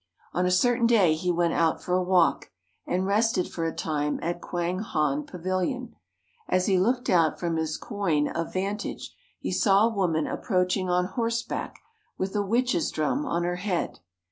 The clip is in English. On a certain day he went out for a walk, and rested for a time at Kwang han Pavilion. As he looked out from his coign of vantage, he saw a woman approaching on horseback with a witch's drum on her head.